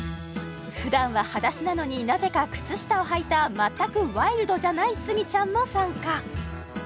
普段ははだしなのになぜか靴下をはいた全くワイルドじゃないスギちゃんも参加